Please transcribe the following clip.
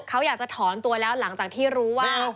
เขาอยากจะถอนตัวแล้วหลังจากที่รู้ว่า